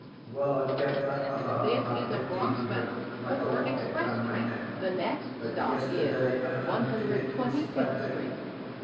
Well, I've kept that other half, that fifteen hundred, like a locket round my neck, but yesterday I undid it, and spent it.